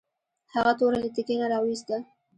هغه توره له تیکي نه راویوسته.